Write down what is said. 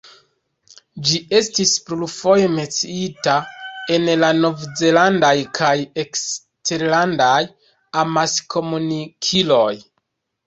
Ĝi estis plurfoje menciita en la nov-zelandaj kaj eksterlandaj amaskomunikiloj.